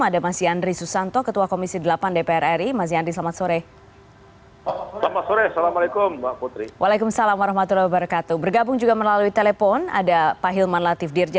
ada mas yandri susanto ketua komisi delapan dpr ri mas yandri selamat sore